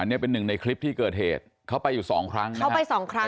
อันนี้เป็นหนึ่งในคลิปที่เกิดเหตุเข้าไปอยู่สองครั้งนะค่ะ